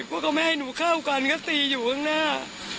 ก็ไม่ให้หนูเข้ากันก็ตีอยู่ข้างหน้า